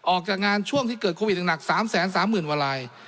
ออกจากงานช่วงที่เกิดโควิดหนักหนักสามแสนสามหมื่นวันลาย